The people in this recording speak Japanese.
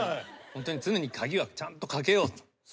ホントに常に鍵はちゃんとかけようと。